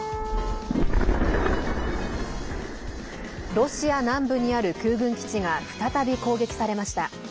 ロシア南部にある空軍基地が再び攻撃されました。